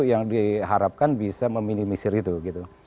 yang diharapkan bisa meminimisir itu gitu